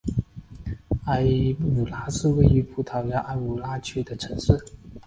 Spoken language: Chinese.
埃武拉是位于葡萄牙埃武拉区的城市。